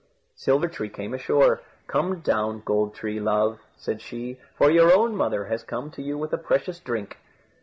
Silver tree came ashore. "Come down, Gold tree, love," said she, "for your own mother has come to you with a precious drink."